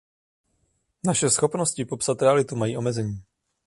Naše schopnosti popsat realitu mají omezení.